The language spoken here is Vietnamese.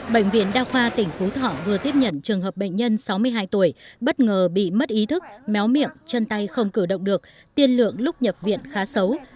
bệnh viện đa khoa tỉnh phú thọ vừa tiếp nhận trường hợp bệnh nhân sáu mươi hai tuổi bất ngờ bị mất ý thức méo miệng chân tay không cử động được tiên lượng lúc nhập viện khá xấu